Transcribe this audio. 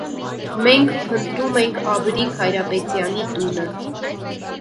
Մենք փնտրում ենք Աբրիկ Հայրապետյանի տունը: